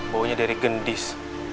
bau nya dari gendis